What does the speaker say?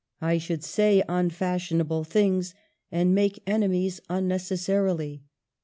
I should say unfashionable things and make enemies unnecessarily.